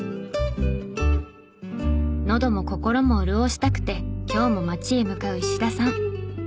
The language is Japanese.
のども心も潤したくて今日も街へ向かう石田さん。